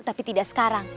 tapi tidak sekarang